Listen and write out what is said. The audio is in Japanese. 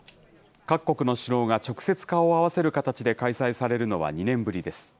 各国の首脳が直接顔を合わせる形で開催されるのは２年ぶりです。